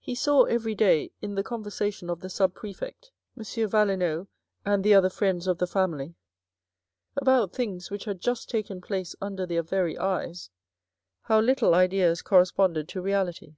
He saw every day in the conversation of the sub perfect, M. Valenod and the other friends of the family, about things which had just taken place under their very eyes, how little ideas corresponded to reality.